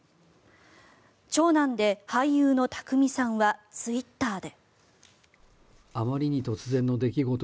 長男で俳優の匠さんはツイッターで。